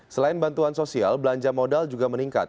selain bantuan sosial belanja modal juga meningkat